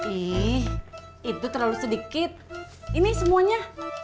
ih itu terlalu sedikit ini semuanya